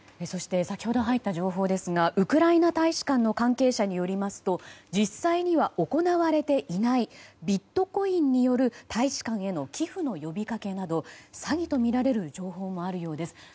そして先ほど入った情報ですがウクライナ大使館の関係者によりますと実際には行われていないビットコインによる大使館への寄付の呼びかけなど詐欺とみられる情報もあるようです。